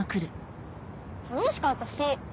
楽しかったし。